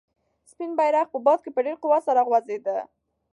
سپین بیرغ په باد کې په ډېر قوت سره غوځېده.